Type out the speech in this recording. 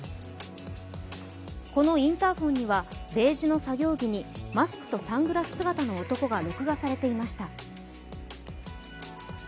このインターホンには、ベージュの作業着にマスクとサングラス姿の男が録画されていました。